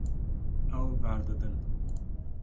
Ew berdidin.